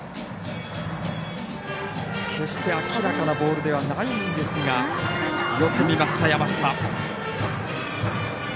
決して明らかなボールではないんですがよく見ました、山下。